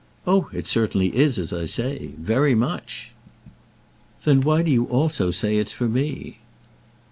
Oh it certainly is, as I say. Very much." "Then why do you also say it's for me?"